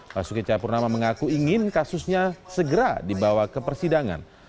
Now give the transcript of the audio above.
basuki cahayapurnama mengaku ingin kasusnya segera dibawa ke persidangan